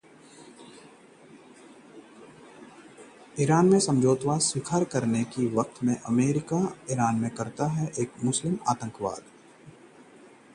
Iran के समझौता स्वीकार करने का सही वक्त: अमेरिका